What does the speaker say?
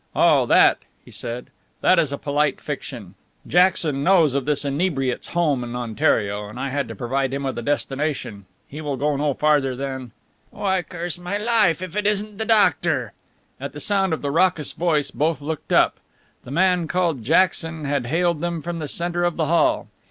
"Oh, that," he said, "that is a polite fiction. Jackson knows of this inebriates' home in Ontario and I had to provide him with a destination. He will go no farther than " "Why, curse my life, if it isn't the doctor!" At the sound of the raucous voice both looked up. The man called Jackson had hailed them from the centre of the hall.